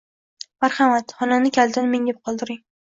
Marhamat, xonani kalitini menga qoldiring.